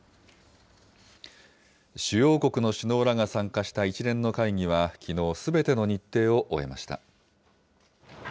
主要国の首脳らが参加した一連の会議はきのう、すべての日程を終えました。